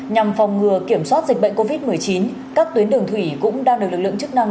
nhằm phòng ngừa kiểm soát dịch bệnh covid một mươi chín các tuyến đường thủy cũng đang được lực lượng chức năng